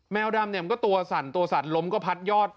แมวดำเนี่ยมันก็ตัวสั่นตัวสั่นล้มก็พัดยอด